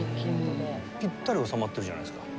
ぴったり収まってるじゃないですか。